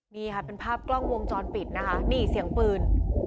นี่ค่ะเป็นภาพกล้องวงจรปิดนะคะนี่เสียงปืน